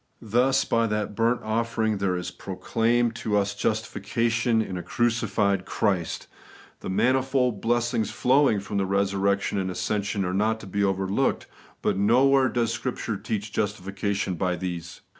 Thus, by that burnt offering there is proclaimed to ns justification in a crucified Christ. The manifold blessings flowing from resur rection and ascension are not to be overlooked ; but nowhere does Scripture teach justification by these.